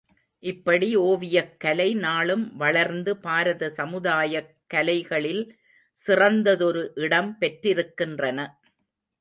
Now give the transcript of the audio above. இப்படி ஓவியக் கலை நாளும் வளர்ந்து பாரத சமுதாயக் கலைகளில் சிறந்ததொரு இடம் பெற்றிருக்கின்றன.